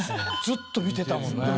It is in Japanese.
ずっと見てたもんね。